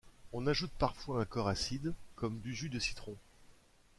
On ajoute parfois un corps acide comme du jus de citron.